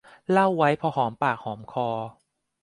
เล่าไว้พอหอมปากหอมคอ